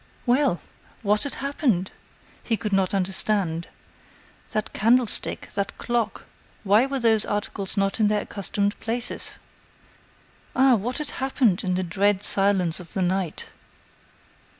Well! What had happened? He could not understand. That candlestick, that clock; why were those articles not in their accustomed places? Ah! what had happened in the dread silence of the night?